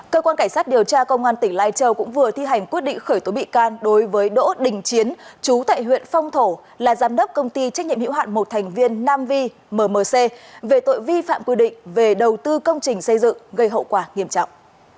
cơ quan cảnh sát điều tra công an tỉnh lai châu cũng vừa thi hành quyết định khởi tố bị can đối với đỗ đình chiến chú tại huyện phong thổ là giám đốc công ty trách nhiệm hữu hạn một thành viên nam vi mmc về tội vi phạm quy định về đầu tư công trình xây dựng gây hậu quả nghiêm trọng